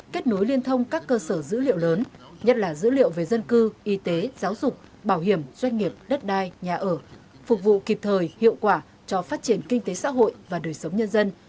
kết nối liên thông các cơ sở dữ liệu lớn nhất là dữ liệu về dân cư y tế giáo dục bảo hiểm doanh nghiệp đất đai nhà ở phục vụ kịp thời hiệu quả cho phát triển kinh tế xã hội và đời sống nhân dân